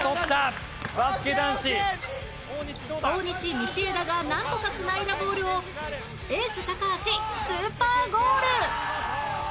大西道枝がなんとか繋いだボールをエース高橋スーパーゴール！